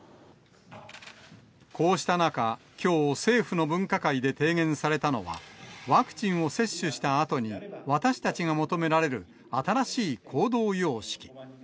こうした中、きょう、政府の分科会で提言されたのは、ワクチンを接種したあとに、私たちが求められる新しい行動様式。